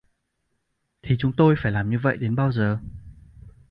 Thì chúng tôi phải làm như vậy đến bao giờ